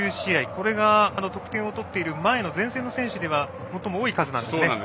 これが、得点を取っている前の前線の選手では最も多い選手なんですね。